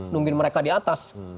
nungguin mereka di atas